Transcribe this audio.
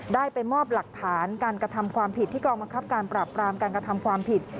ได้ไปมอบหลักฐานการกระทำความผิดที่กองบังคับการปราบรามการกระทำความผิด